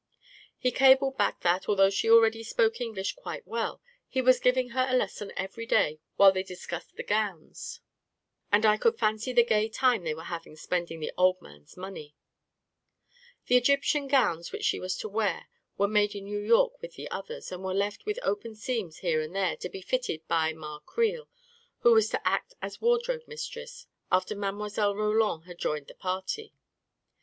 He cabled back that, though she already spoke English quite well, he was giving her a lesson every day while they discussed the gowns, and I could fancy the gay time they were having spending the old man's money ! The Egyptian gowns which she was to wear were made in New York with the others, and were left with open seams here and there to be fitted by Ma Creel, who was to act as wardrobe mistress, after Mile. Roland had joined the party.